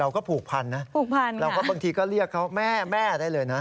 เราก็ผูกพันนะบางทีก็เรียกเขาแม่แม่ได้เลยนะ